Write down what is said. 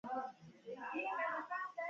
زراعت د افغانستان د جغرافیې یوه بېلګه ده.